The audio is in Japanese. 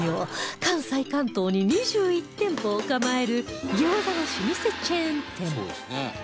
関西関東に２１店舗を構える餃子の老舗チェーン店